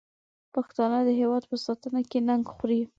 پښتانه د هېواد په ساتنه کې ننګ خوري.